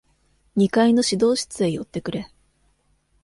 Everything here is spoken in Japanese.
二階の指導室へ寄ってくれ。